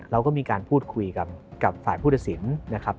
เราก็มีการพูดคุยกับฝ่ายผู้ทศิลป์